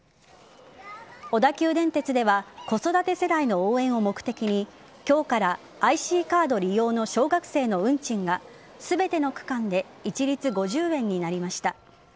小田急電鉄では子育て世代の応援を目的に今日からＩＣカード利用の小学生の運賃が全ての区間で一律５０円になりました。